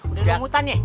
udah rumutan ya